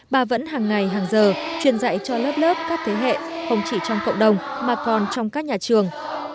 bà vẫn hàng ngày hàng giờ truyền dạy cho lớp lớp các thế hệ không chỉ trong cộng đồng mà còn trong các nhà trường